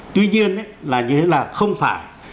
tuy nhiên là như thế là không phải